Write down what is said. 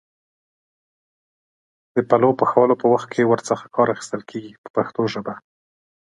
د پلو پخولو په وخت کې ور څخه کار اخیستل کېږي په پښتو ژبه.